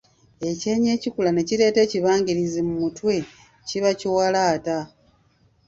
Ekyenyi ekikula ne kireeta ekibangirizi mu mutwe kiba kiwalaata.